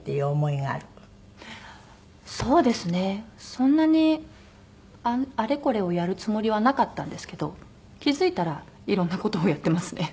そんなにあれこれをやるつもりはなかったんですけど気付いたらいろんな事をやってますね。